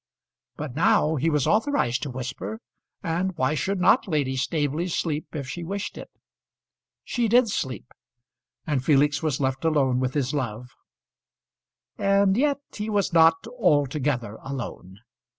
But now he was authorised to whisper, and why should not Lady Staveley sleep if she wished it? She did sleep, and Felix was left alone with his love. [Illustration: The Drawing Room at Noningsby.] And yet he was not altogether alone.